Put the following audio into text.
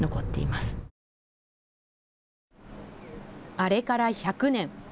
あれから１００年。